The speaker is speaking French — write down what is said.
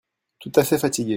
Tout à fait fatigué.